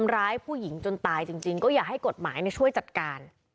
เรื่องเงินห่วง